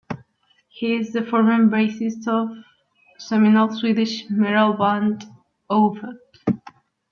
He is the former bassist of seminal Swedish metal band Opeth.